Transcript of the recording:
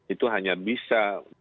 itu hanya bisa